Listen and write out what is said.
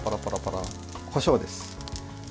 こしょうです。